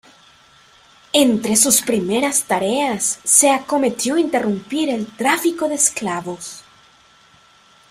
Entre sus primeras tareas se acometió interrumpir el tráfico de esclavos.